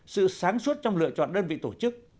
sự sáng suốt trong lựa chọn đơn vị tổ chức